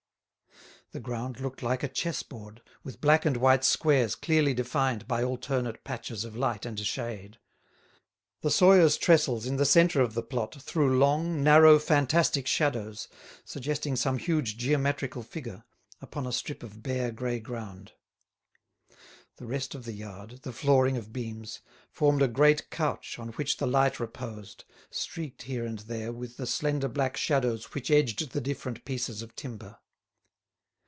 The ground looked like a chess board, with black and white squares clearly defined by alternate patches of light and shade. The sawyers' tressels in the centre of the plot threw long, narrow fantastic shadows, suggesting some huge geometrical figure, upon a strip of bare grey ground. The rest of the yard, the flooring of beams, formed a great couch on which the light reposed, streaked here and there with the slender black shadows which edged the different pieces of timber.